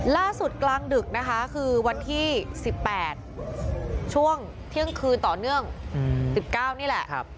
กลางดึกนะคะคือวันที่๑๘ช่วงเที่ยงคืนต่อเนื่อง๑๙นี่แหละ